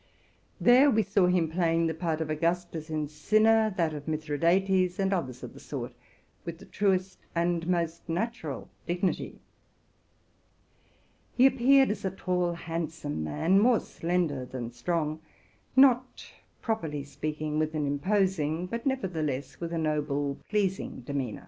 There we saw him play the part of Augustus in '' Cinna,'' that of Mithridates, and others of the sort, with the truest and most natural dig nity. He appeared as a tall, handsome man, more slender than strong, not. properly speaking, with an imposing, but nevertheless with a noble, pleasing, demeanor.